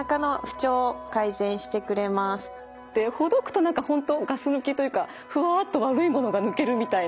ほどくと何か本当ガス抜きというかふわっと悪いものが抜けるみたいな